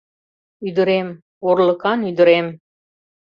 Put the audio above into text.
Ӱдырем, орлыкан ӱдырем!